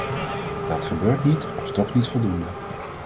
Dat gebeurt niet, of toch niet voldoende.